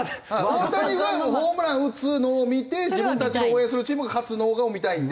大谷がホームラン打つのを見て自分たちの応援するチームが勝つのが見たいんで。